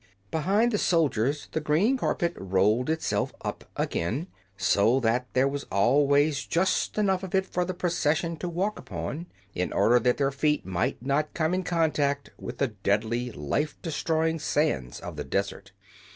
Behind the soldiers the green carpet rolled itself up again, so that there was always just enough of it for the procession to walk upon, in order that their feet might not come in contact with the deadly, life destroying sands of the desert.